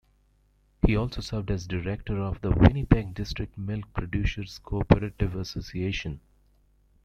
He also served as director of the Winnipeg District Milk Producers Cooperative Association.